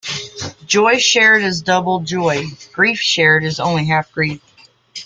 Joy shared is double joy; grief shared is only half grief.